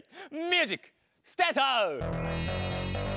ミュージックスタート！